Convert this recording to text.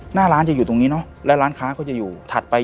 หน้าร้านจะอยู่ตรงนี้เนอะแล้วร้านค้าก็จะอยู่ถัดไป